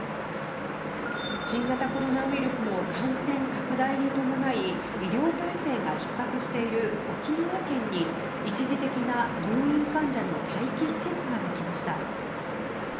新型コロナウイルスの感染拡大に伴い医療体制がひっ迫している沖縄県に一時的な入院患者の待機施設ができました。